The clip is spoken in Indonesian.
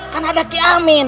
kan ada ki amin